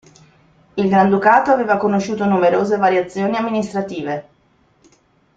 Il Granducato aveva conosciuto numerose variazioni amministrative.